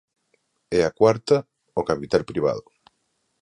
E a cuarta, o capital privado.